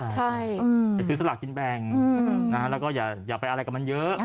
ใช่ไปซื้อสลากกินแบ่งแล้วก็อย่าไปอะไรกับมันเยอะ